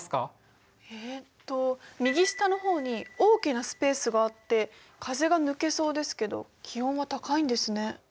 えっと右下の方に大きなスペースがあって風が抜けそうですけど気温は高いんですね。